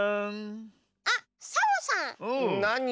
あっサボさん。